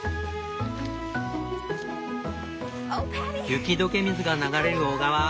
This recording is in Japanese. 雪解け水が流れる小川。